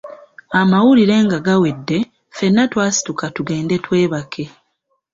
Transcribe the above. Amawulire nga gawedde, ffenna twasituka tugende twebake.